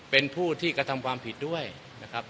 เป็นผู้ที่กระทำความผิดด้วยนะครับ